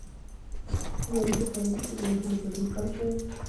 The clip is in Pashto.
په منځني ښوونځي کې د نجونو ګډون کم شوی.